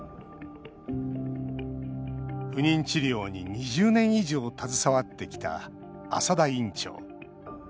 不妊治療に２０年以上携わってきた浅田院長。